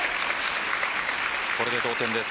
これで同点です。